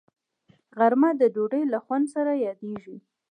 غرمه د ډوډۍ له خوند سره یادیږي